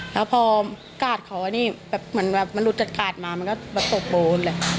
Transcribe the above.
แล้วพอกาดเขานี่แบบเหมือนแบบมันหลุดจากกาดมามันก็แบบตกโบนเลย